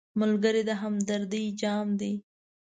ملګری د همدردۍ جام دی